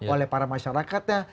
oleh para masyarakatnya